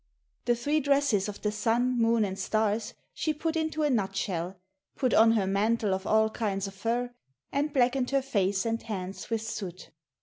The three dresses of the sun, moon, and stars she put into a nutshell, put on her mantle of all kinds of fur, and blackened her face and hands with soot.